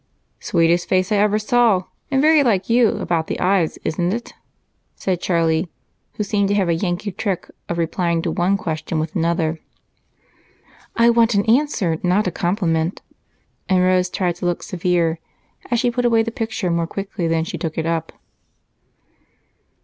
"Sweetest face I ever saw, and very like you about the eyes, isn't it?" said Charlie, who seemed to have a Yankee trick of replying to one question with another. "I want an answer, not a compliment," and Rose tried to look severe as she put away the picture more quickly than she had taken it up.